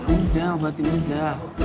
udah obatin aja